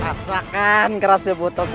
rasakan kerase butuhku